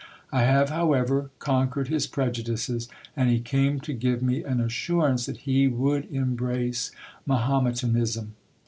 I have, however, conquered his prejudices ; and he came to give me an assurance that he would embrace Mahometanism.